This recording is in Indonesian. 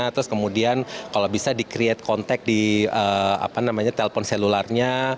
terus kemudian kalau bisa di create contact di telpon selularnya